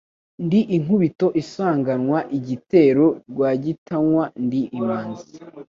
Ndi inkubito isanganwa igitero Rwagitinywa ndi Imanzi,